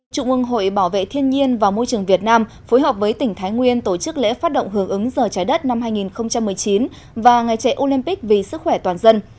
trụ ương hội bảo vệ thiên nhiên và môi trường việt nam phối hợp với tỉnh thái nguyên tổ chức lễ phát động hưởng ứng giờ trái đất năm hai nghìn một mươi chín và ngày chạy olympic vì sức khỏe toàn dân